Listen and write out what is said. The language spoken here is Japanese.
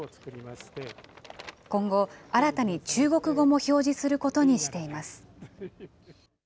今後、新たに中国語も表示することにしています。